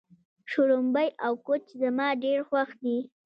شړومبی او کوچ زما ډېر خوښ دي.